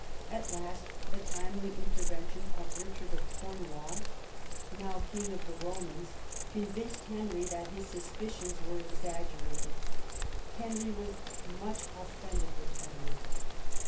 At last the timely intervention of Eichard of Cornwall, now King of II EDWARD AND THE BARONS' WARS 31 the Romans, convinced Henry that his suspicions were exaggerated. Henry was much offended with Edward.